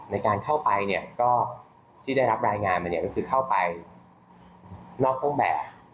ในการเข้าไปเนี่ยก็ที่ได้รับรายงานมาเนี่ยก็คือเข้าไปนอกเครื่องแบบ